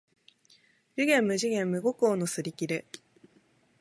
寿限無寿限無五劫のすりきれ